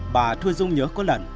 bà thuê dung nhớ có lần